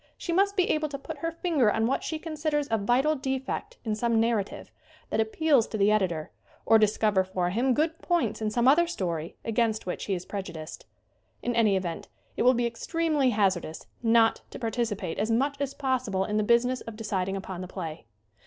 She must be able to put her finger on what she considers a vital defect in some narrative that appeals to the editor, or discover for him good points in some other story against which he is preju diced. In any event it will be extremely hazardous not to participate as much as possible in the business of deciding upon the play.